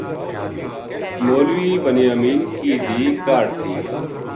مولوی بنیامین کی دھی کاہڈ تھی